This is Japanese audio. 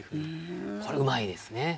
これうまいですね。